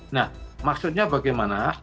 nah maksudnya bagaimana